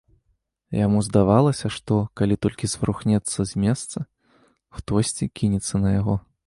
Яму здавалася, што, калі толькі зварухнецца з месца, хтосьці кінецца на яго.